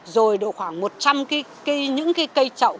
rồi được khoảng một trăm linh cái cây trậu